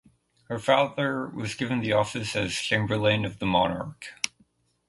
Her father was given the office as chamberlain of the monarch.